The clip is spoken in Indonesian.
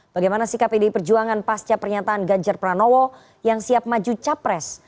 bagaimana sikap pdi perjuangan pasca pernyataan ganjar pranowo yang siap maju capres